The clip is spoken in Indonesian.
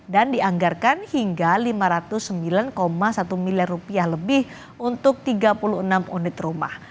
dan dianggarkan hingga lima ratus sembilan satu miliar rupiah lebih untuk tiga puluh enam unit rumah